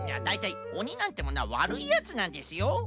だいたいおになんてものはわるいやつなんですよ。